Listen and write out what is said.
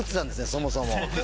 そもそも。